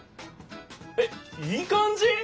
えっいいかんじ！？